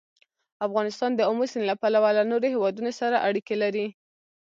افغانستان د آمو سیند له پلوه له نورو هېوادونو سره اړیکې لري.